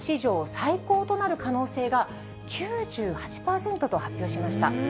最高となる可能性が９８％と発表しました。